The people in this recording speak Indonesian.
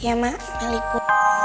iya emak meliku